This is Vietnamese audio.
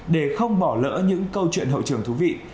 để không bỏ lỡ những câu chuyện hậu trường thú vị